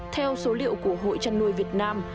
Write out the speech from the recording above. theo số liệu của hội chăn nuôi việt nam